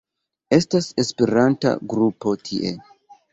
Estas esperanta grupo tie.